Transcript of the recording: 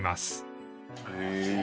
へえ。